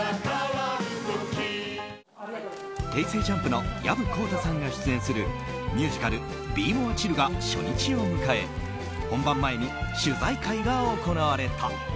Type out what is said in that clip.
ＪＵＭＰの薮宏太さんが出演するミュージカル「ＢＥＭＯＲＥＣＨＩＬＬ」が初日を迎え、本番前に取材会が行われた。